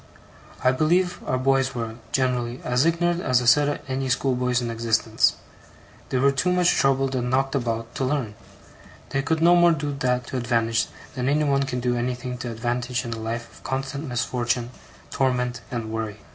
I believe our boys were, generally, as ignorant a set as any schoolboys in existence; they were too much troubled and knocked about to learn; they could no more do that to advantage, than any one can do anything to advantage in a life of constant misfortune, torment, and worry.